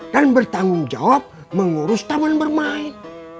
dan bertanggung jawab mengurus taman bermain